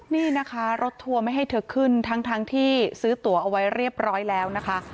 นี่นะคะรถทัวร์ไม่ให้เธอขึ้นทั้งที่ซื้อตัวเอาไว้เรียบร้อยแล้วนะคะ